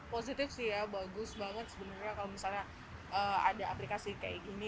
positif sih ya bagus banget sebenarnya kalau misalnya ada aplikasi kayak gini